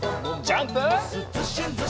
ジャンプ！